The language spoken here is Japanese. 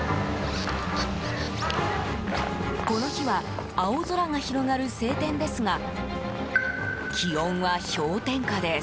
この日は青空が広がる晴天ですが気温は氷点下です。